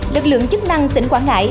lực lượng chức năng tỉnh quảng ngãi